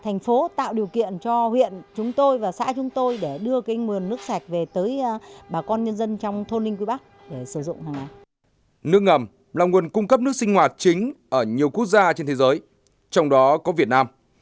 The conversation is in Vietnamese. nước ngầm là nguồn cung cấp nước sinh hoạt chính ở nhiều quốc gia trên thế giới trong đó có việt nam